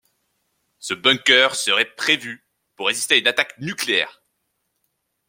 Ce bunker serait prévu pour résister à une attaque nucléaire.